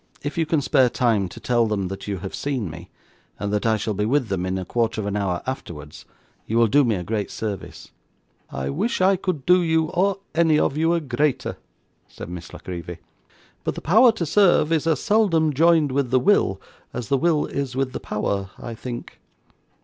If you can spare time to tell them that you have seen me, and that I shall be with them in a quarter of an hour afterwards, you will do me a great service.' 'I wish I could do you, or any of you, a greater,' said Miss La Creevy; 'but the power to serve, is as seldom joined with the will, as the will is with the power, I think.